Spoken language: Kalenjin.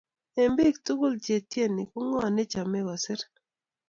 Eng bik tugul che tyeni ko ngo nei chome kosir